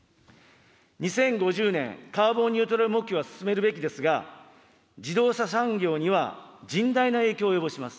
２０５０年カーボンニュートラル目標は進めるべきですが、自動車産業には甚大な影響を及ぼします。